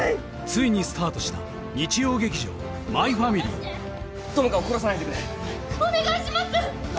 ついにスタートした日曜劇場「マイファミリー」友果を殺さないでくれお願いします！